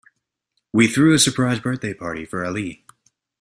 We threw a surprise birthday party for Ali.